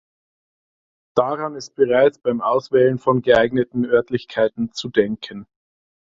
Daran ist bereits beim Auswählen von geeigneten Örtlichkeiten zu denken.